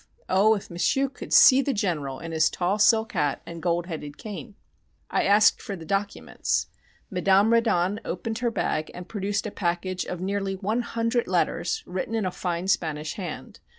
Oh' if M'sieu' could see the General in his tall silk hat and gold headed cane! I asked for the documents. Madame Reddon opened her bag and produced a package of nearly one hundred letters, written in a fine Spanish hand.